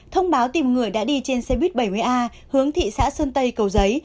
thông báo tìm người đã đi trên xe buýt bảy mươi a hướng thị xã sơn tây cầu giấy